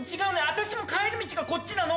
私も帰り道がこっちなの！